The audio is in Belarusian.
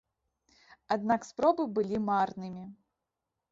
Аднак спробы былі марнымі.